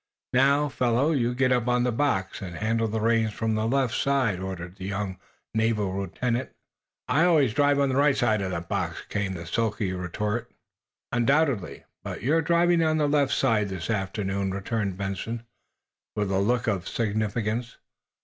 "Now, fellow, you get up on the box, and handle the reins from the left side," ordered the young naval officer. "I always drive on the right side o' the box," came the sulky retort. "Undoubtedly; but you're driving on the left side this afternoon," returned Benson, with a look of significance.